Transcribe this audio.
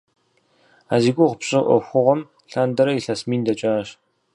А зи гугъу пщӏы ӏуэхугъуэм лъандэрэ илъэс мин дэкӏащ.